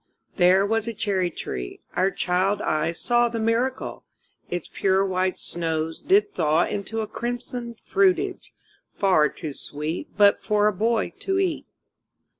There was a cherry tree our child eyes saw The miracle: Its pure white snows did thaw Into a crimson fruitage, far too sweet But for a boy to eat.